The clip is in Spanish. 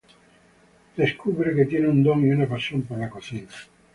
Ella descubre que tiene un don y una pasión por la cocina.